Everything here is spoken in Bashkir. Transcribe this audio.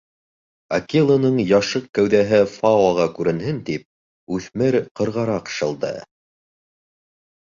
Акеланың яшыҡ кәүҙәһе Фаоға күренһен тип үҫмер ҡырғараҡ шылды.